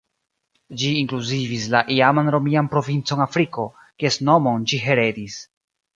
Ĝi inkluzivis la iaman romian provincon Afriko, kies nomon ĝi heredis.